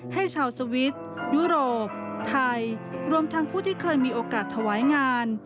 ให้ชาวสวิตช์ยุโรปไทยรวมทั้งผู้ที่เคยมีโอกาสถวายงาน